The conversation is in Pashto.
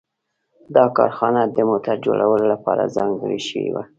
دا کارخانه د موټر جوړولو لپاره ځانګړې شوې وه